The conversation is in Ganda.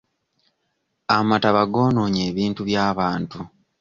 Amataba goonoonye ebintu by'abantu.